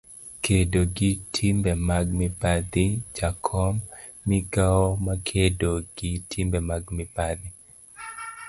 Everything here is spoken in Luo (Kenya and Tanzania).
kedo gi timbe mag mibadhi. jakom, migawo makedo gi timbe mag mibadhi